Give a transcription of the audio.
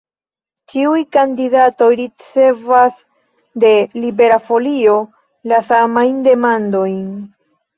Ĉiuj kandidatoj ricevas de Libera Folio la samajn demandojn.